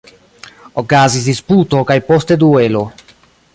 Okazis disputo kaj poste duelo.